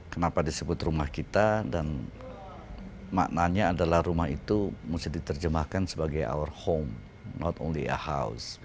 kenapa disebut rumah kita dan maknanya adalah rumah itu mesti diterjemahkan sebagai our home not only a house